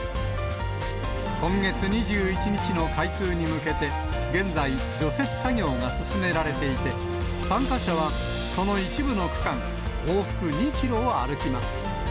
今月２１日の開通に向けて、現在、除雪作業が進められていて、参加者は、その一部の区間、往復２キロを歩きます。